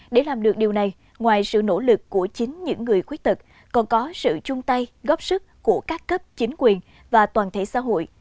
để làm được điều này ngoài sự nỗ lực của chính những người khuyết tật còn có sự chung tay góp sức của các cấp chính quyền và toàn thể xã hội